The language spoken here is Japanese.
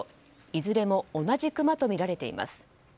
いずれも同じクマとみられています。